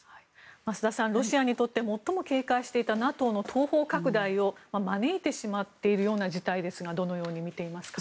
増田さん、ロシアにとって最も警戒していたＮＡＴＯの東方拡大を招いてしまっているような事態ですがどのように見ていますか？